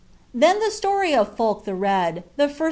Then the atocy of Fulk the Red,' (he first